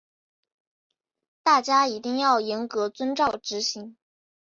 大家一定要严格遵照执行